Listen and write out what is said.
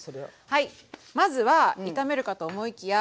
はいまずは炒めるかと思いきや。